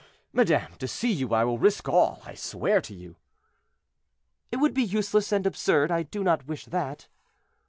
madame, to see you I will risk all, I swear to you." "It would be useless and absurd; I do not wish it."